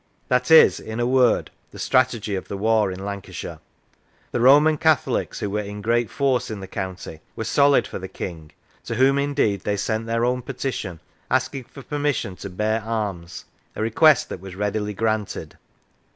That is, in a word, the strategy of the war in Lancashire. The Roman Catholics, who were in great force in the county, were solid for the King, to whom, indeed, they sent their own petition, asking for permission to bear arms, a request that was readily granted.